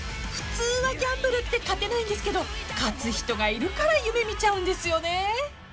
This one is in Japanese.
［普通はギャンブルって勝てないんですけど勝つ人がいるから夢見ちゃうんですよね］